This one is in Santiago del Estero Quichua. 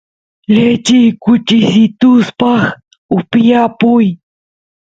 lechi kuchisituspaq upiyapuy